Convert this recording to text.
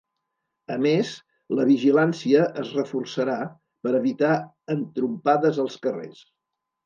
A més, la vigilància es reforçarà per evitar entrompades als carrers.